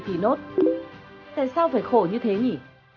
thì nốt tại sao phải khổ như thế nhỉ